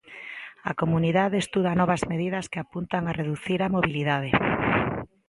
A Comunidade estuda novas medidas que apuntan a reducir a mobilidade.